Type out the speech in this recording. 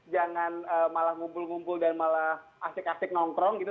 jangan malah ngumpul ngumpul dan malah asik asik nongkrong gitu